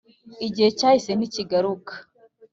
Igihe cyahise ntikigaruka